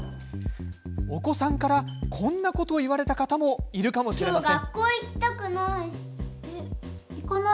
お子さんから、こんなことを言われるかもしれません。